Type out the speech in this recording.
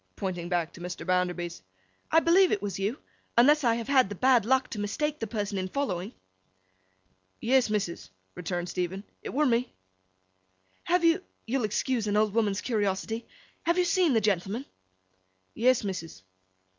pointing back to Mr. Bounderby's. 'I believe it was you, unless I have had the bad luck to mistake the person in following?' 'Yes, missus,' returned Stephen, 'it were me.' 'Have you—you'll excuse an old woman's curiosity—have you seen the gentleman?' 'Yes, missus.